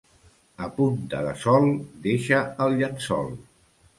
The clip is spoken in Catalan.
A punta de sol, deixa el llençol.